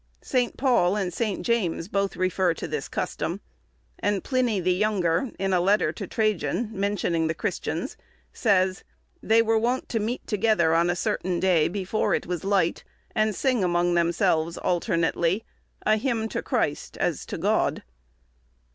St. Paul and St. James both refer to this custom, and Pliny the younger, in a letter to Trajan, mentioning the Christians, says, "They were wont to meet together on a certain day, before it was light, and sing among themselves, alternately, a hymn to Christ, as to God."